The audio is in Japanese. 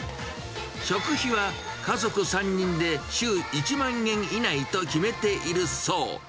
食費は家族３人で週１万円以内と決めているそう。